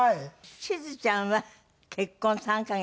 しずちゃんは結婚３カ月。